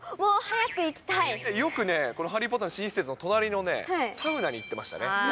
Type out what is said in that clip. よくね、このハリー・ポッターの新施設の隣のサウナに行ってましたね。